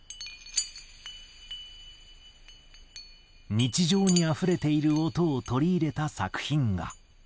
日常にあふれている音を取り入れた作品が。